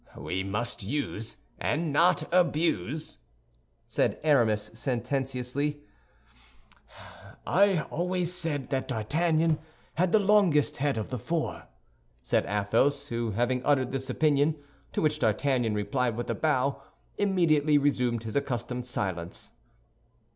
"We must use, and not abuse," said Aramis, sententiously. "I always said that D'Artagnan had the longest head of the four," said Athos, who, having uttered his opinion, to which D'Artagnan replied with a bow, immediately resumed his accustomed silence.